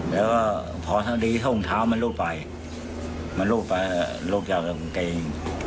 แล้วก็พอทั้งดีทรงเท้ามันลุดไปมันลุดไปลุดจากกางเกง